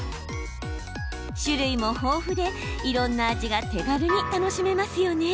種類も豊富でいろんな味が手軽に楽しめますよね！